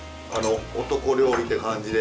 男料理って感じで。